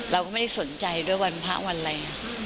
เราก็ไม่ได้สนใจด้วยวันพระวันอะไร